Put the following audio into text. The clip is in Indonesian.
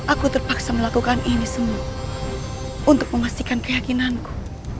aku terpaksa melakukan ini semua untuk memastikan keyakinanku